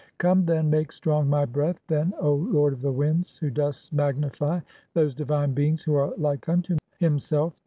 Come, then, make strong my breath "then, O lord of the winds, (4) who dost magnify those divine "beings who are like unto himself.